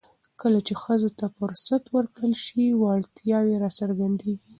کله چې ښځو ته فرصت ورکړل شي، وړتیاوې راڅرګندېږي.